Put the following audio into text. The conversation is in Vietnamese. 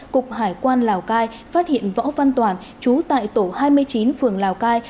cục hải quan lào cai phát hiện võ văn toàn chú tại tổ hai mươi chín phường lào cai